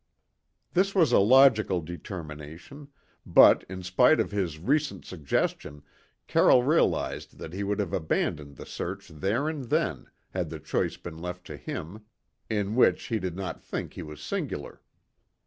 This was a logical determination; but, in spite of his recent suggestion, Carroll realised that he would have abandoned the search there and then, had the choice been left to him, in which he did not think he was singular.